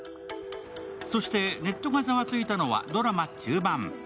そして、ネットがざわついたのはドラマ中盤。